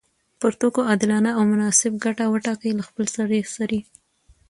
پر توکو عادلانه او مناسب ګټه وټاکي له خپلسري